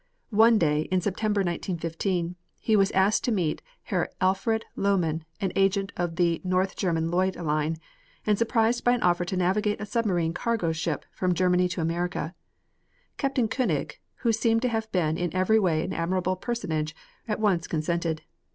One day, in September, 1915, he was asked to meet Herr Alfred Lohmann, an agent of the North German Lloyd Line, and surprised by an offer to navigate a submarine cargo ship from Germany to America. Captain Koenig, who seems to have been in every way an admirable personage, at once consented.